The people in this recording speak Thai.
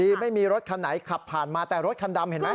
ไม่มีรถคันไหนขับผ่านมาแต่รถคันดำเห็นไหม